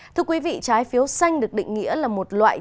thưa quý vị trái phiếu xanh được định nghĩa là một loại